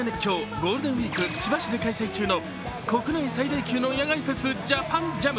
ゴールデンウイーク千葉市で開催中の国際最大級の野外フェス、ＪＡＰＡＮＪＡＭ。